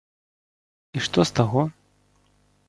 І што з таго?